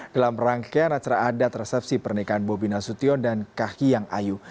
dalam rangkaian acara adat resepsi pernikahan bobi nasution dan kahiyang ayu